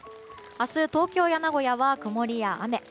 明日、東京や名古屋は曇りや雨。